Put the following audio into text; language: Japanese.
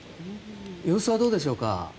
様子はどうでしょうか？